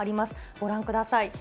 ご覧ください。